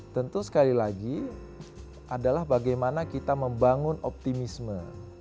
tentu sekali lagi adalah bagaimana kita membangun optimisme